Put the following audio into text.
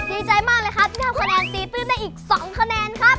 ดีใจมากเลยครับที่ทำคะแนนตีตื้นได้อีก๒คะแนนครับ